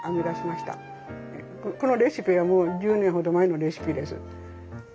このレシピはもう１０年ほど前のレシピです。